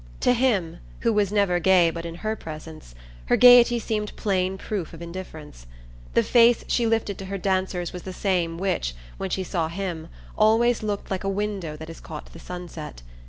To him, who was never gay but in her presence, her gaiety seemed plain proof of indifference. The face she lifted to her dancers was the same which, when she saw him, always looked like a window that has caught the sunset.